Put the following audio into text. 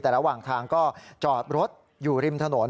แต่ระหว่างทางก็จอดรถอยู่ริมถนน